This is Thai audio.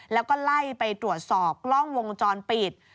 แล้วก็ไล่ไปตรวจสอบกล้องวงจรปิด